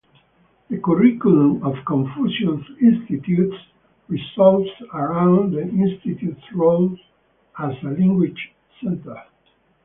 The curriculum of Confucius Institutes revolves around the institute's role as a language center.